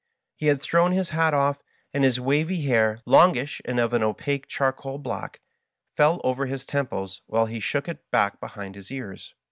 He had thrown his hat oflE, and his wavy hair, longish and of an opaque charcoal black, fell over his temples while he shook it back behind his ears.